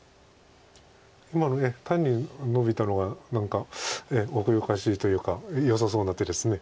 今の単にノビたのが何か奥ゆかしいというかよさそうな手です。